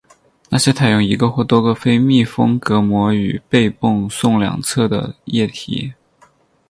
那些采用一个或多个非密封隔膜与被泵送两侧的流体。